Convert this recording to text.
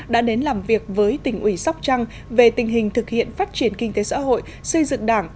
đã đến làm việc với tỉnh ủy sóc trăng về tình hình thực hiện phát triển kinh tế xã hội xây dựng đảng